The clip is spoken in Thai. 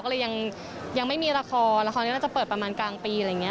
ก็เลยยังไม่มีละครละครนี้น่าจะเปิดประมาณกลางปีอะไรอย่างนี้